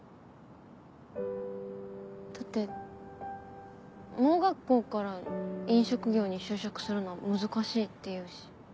だって盲学校から飲食業に就職するのは難しいっていうし。